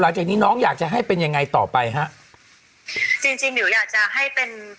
หลังจากนี้น้องอยากจะให้เป็นยังไงต่อไปฮะจริงจริงหิวอยากจะให้เป็น